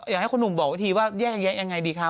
อยากให้คุณหนุ่มบอกวิธีว่าแยกแยะยังไงดีคะ